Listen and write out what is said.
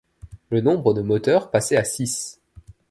Le nombre de moteurs passait à six.